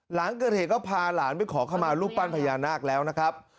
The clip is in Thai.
หลังเกิดเหตุก็พาหลานไปขอเข้ามารูปปั้นพญานาคแล้วนะครับ